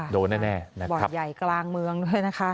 โดนแน่บ่อยใหญ่กลางเมืองด้วยนะฮะ